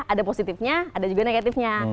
ada positifnya ada juga negatifnya